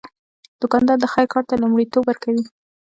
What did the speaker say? دوکاندار د خیر کار ته لومړیتوب ورکوي.